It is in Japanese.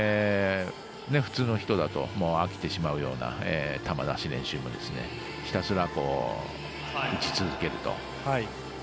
普通の人だと飽きてしまうような球出し練習もひたすら打ち続けると。